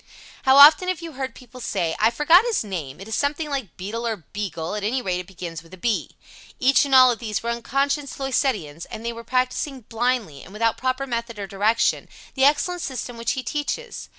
How often have you heard people say, "I forget his name, it is something like Beadle or Beagle at any rate it begins with a B." Each and all of these were unconscious Loisettians, and they were practicing blindly, and without proper method or direction, the excellent system which he teaches.